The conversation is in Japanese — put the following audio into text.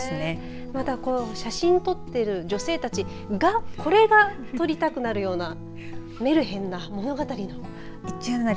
また写真を撮っている女性たちがこれが撮りたくなるようなメルヘンな物語のような。